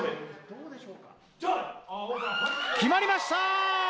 決まりました！